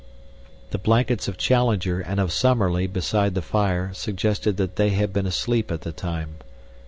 The blankets of Challenger and of Summerlee beside the fire suggested that they had been asleep at the time.